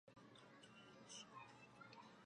隐头三叶虫亚目类似。